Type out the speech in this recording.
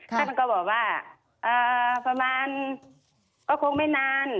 ท่านก็บอกว่าประมาณก็คงไม่นาน